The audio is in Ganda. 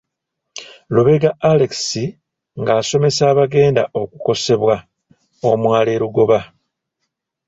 Lubega Alex ng'asomesa abagenda okukosebwa omwala e Lugoba.